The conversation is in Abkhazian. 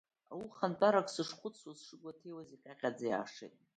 Аухантәарак сышхуцуаз, сшыгуаҭеиуаз иҟьаҟьаӡа иаашеит.